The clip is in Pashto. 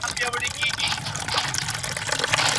مخکي تر نکاح بايد کوم اړخونه وسنجول سي؟